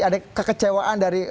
ada kekecewaan dari